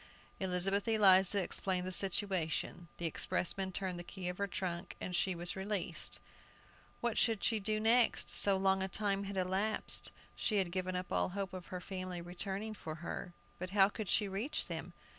Elizabeth Eliza explained the situation. The expressman turned the key of her trunk, and she was released! What should she do next? So long a time had elapsed, she had given up all hope of her family returning for her. But how could she reach them?